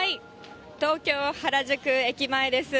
東京・原宿駅前です。